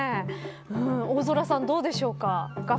大空さん、どうでしょうか。